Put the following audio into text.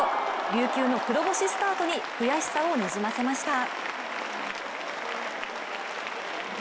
琉球の黒星スタートに悔しさをにじませました。